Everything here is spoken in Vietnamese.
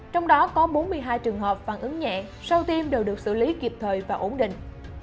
trong đó có bốn mươi hai trường hợp phản ứng nhẹ sau tiêm đều được xử lý kịp thời và ổn định